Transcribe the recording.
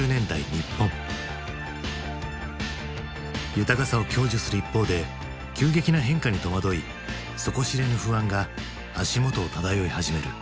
豊かさを享受する一方で急激な変化に戸惑い底知れぬ不安が足元を漂い始める。